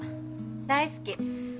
大好き。